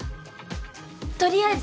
とりあえず。